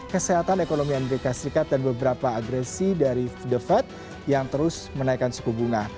kesehatan ekonomi amerika serikat dan beberapa agresi dari the fed yang terus menaikkan suku bunga